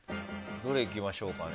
どれ行きましょうかね。